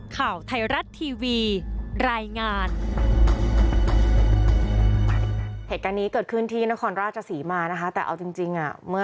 ข่าวไทยรัฐทีวีรายงาน